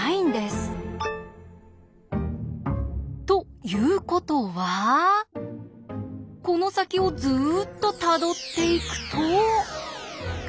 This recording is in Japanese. ということはこの先をずっとたどっていくと。